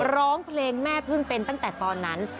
ร้องเพลงแม่พึ่งเป็นตั้งแต่ตอนนั้น